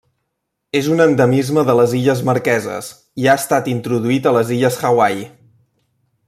És un endemisme de les Illes Marqueses i ha estat introduït a les Illes Hawaii.